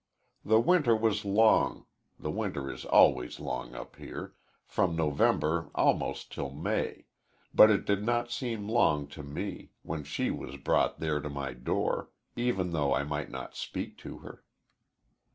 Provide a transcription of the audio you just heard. The winter was long the winter is always long up here from November almost till May but it did not seem long to me, when she was brought there to my door, even though I might not speak to her.